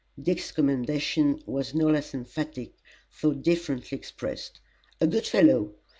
Dick's commendation was no less emphatic though differently expressed: "A good fellow!